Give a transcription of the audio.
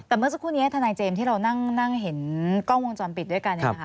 แต่เมื่อสักครู่นี้ทนายเจมส์ที่เรานั่งเห็นกล้องวงจรปิดด้วยกัน